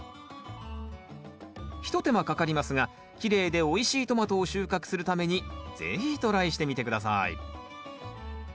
一手間かかりますがきれいでおいしいトマトを収穫するために是非トライしてみて下さい。